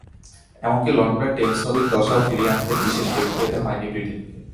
এমনকি লন্ডনের টেমস নদীর দশাও ফিরিয়ে আনতে বিশেষ বেগ পেতে হয়নি ব্রিটেনকে।